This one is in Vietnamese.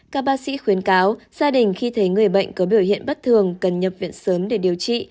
các bác sĩ khuyến cáo gia đình khi thấy người bệnh có biểu hiện bất thường cần nhập viện sớm để điều trị